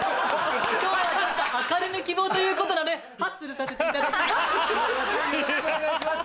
今日はちょっと明るめ希望ということなのでハッスルさせていただきます！